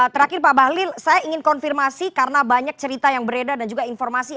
terakhir pak bahlil saya ingin konfirmasi karena banyak cerita yang beredar dan juga informasi